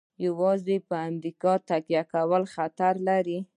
یوازې په امریکا تکیه کول خطر لري.